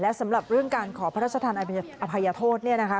และสำหรับเรื่องการขอพระทัศนอภัยโทษนะคะ